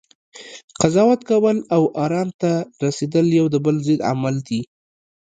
قضاوت کول، او ارام ته رسیدل یو د بل ضد عمل دی